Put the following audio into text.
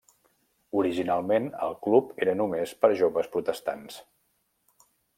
Originalment el club era només per joves protestants.